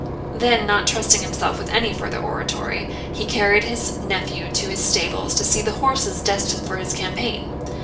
Then, not trusting himself with any further oratory, he carried his nephew to his stables to see the horses destined for his campaign.